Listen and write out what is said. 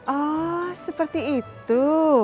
oh seperti itu